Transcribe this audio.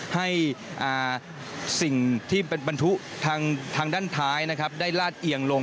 ให้สิ่งที่เป็นบรรทุกทางด้านท้ายได้ลาดเอียงลง